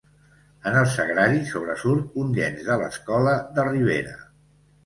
En el Sagrari sobresurt un llenç de l'escola de Ribera.